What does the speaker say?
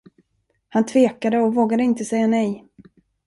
Han tvekade och vågade inte säga nej.